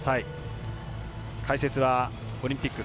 解説は、オリンピック３